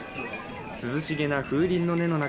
涼しげな風鈴の音の中